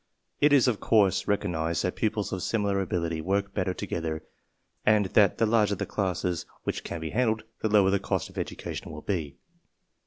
It is, of course, recog nized that pupils of similar ability work better together, and thai the larger the classes which can be handled the lower the cost of education will be.